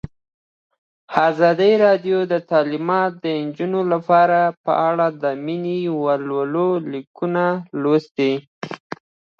ازادي راډیو د تعلیمات د نجونو لپاره په اړه د مینه والو لیکونه لوستي.